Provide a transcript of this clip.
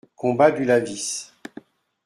Combat du Lavis.